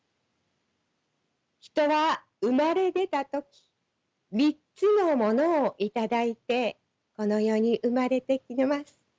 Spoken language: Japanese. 人は生まれ出た時３つのものを頂いてこの世に生まれてきます。